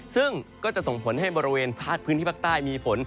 ซึ่งก็จะส่งผลให้บริเวณภาคพื้นที่ภาคใต้มีฝน